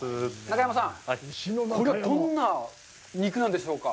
中山さん、これ、どんな肉なんでしょうか。